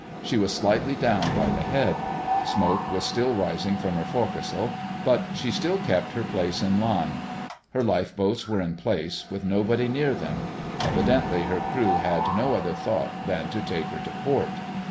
She was slightly down by the head. Smoke was still rising from her forecastle, but she still kept her place in line. Her life boats were in place, with nobody near them. Evidently her crew had no other thought than to take her to port.